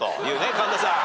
神田さん。